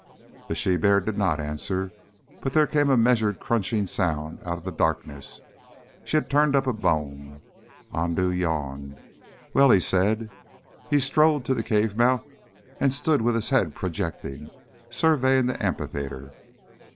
The she bear did not answer, but there came a measured crunching sound out of the darkness. She had turned up a bone. Andoo yawned. "Well," he said. He strolled to the cave mouth and stood with his head projecting, surveying the amphitheatre.